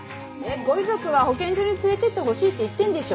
ご遺族は保健所に連れてってほしいって言ってるんでしょ？